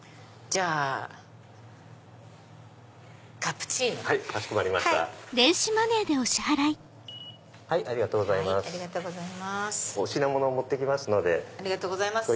ありがとうございます。